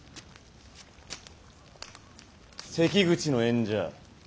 関口の縁者